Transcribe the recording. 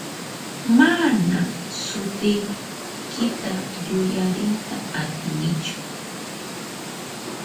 Manan sutiykita yuyariyta atinichu.